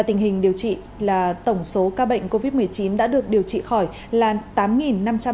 tình hình điều trị là tổng số ca bệnh covid một mươi chín đã được điều trị khỏi là tám năm trăm năm mươi bảy và số ca bệnh tử vong là một trăm linh năm ca